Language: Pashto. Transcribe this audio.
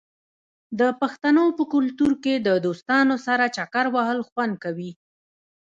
د پښتنو په کلتور کې د دوستانو سره چکر وهل خوند کوي.